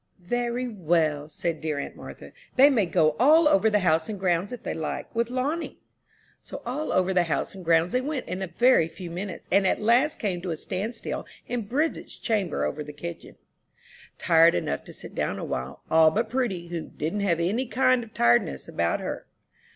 "Very well," said dear aunt Martha; "they may go all over the house and grounds, if they like, with Lonnie." So all over the house and grounds they went in a very few minutes, and at last came to a stand still in Bridget's chamber over the kitchen, tired enough to sit down a while all but Prudy, who "didn't have any kind of tiredness about her."